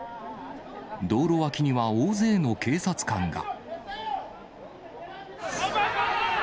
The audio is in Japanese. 道路脇には大勢の警察官が。